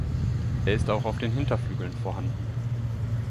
Er ist auch auf den Hinterflügeln vorhanden.